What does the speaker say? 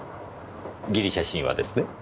ギリシャ神話ですね？